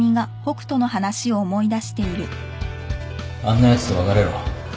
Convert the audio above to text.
あんなやつと別れろ